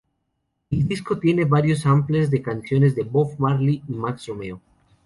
El disco tiene varios samplers de canciones de Bob Marley y Max Romeo.